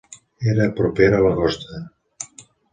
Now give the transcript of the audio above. Era propera a la costa.